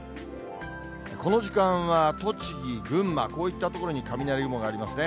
この時間は、栃木、群馬、こういった所に雷雲がありますね。